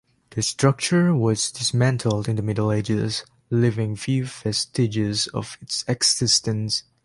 The structure was dismantled in the Middle Ages, leaving few vestiges of its existence.